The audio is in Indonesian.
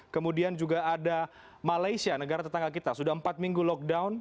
kemudian juga ada malaysia negara tetangga kita sudah empat minggu lockdown